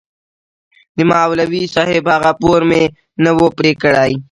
د مولوي صاحب هغه پور مې نه و پرې کړى.